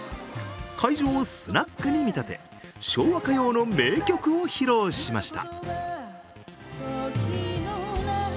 会場をスナックに見立て、昭和歌謡の名曲を披露しました。